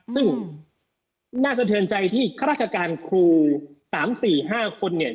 ซึ่งน่าสะเทินใจที่ข้าราชการครู๓๔๕คนเนี่ย